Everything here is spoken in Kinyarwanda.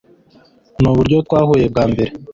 nuburyo twahuye bwa mbere